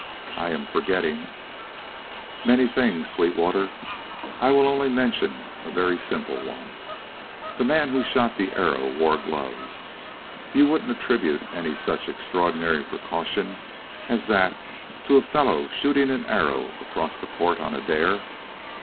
I am forgetting " "Many things, Sweetwater. I will only mention a very simple one. The man who shot the arrow wore gloves. You wouldn't attribute any such extraordinary precaution as that to a fellow shooting an arrow across the court on a dare?"